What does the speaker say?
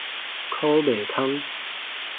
苦袂通